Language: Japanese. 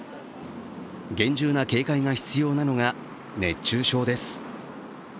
厳重な警戒が必要なのが熱中症です。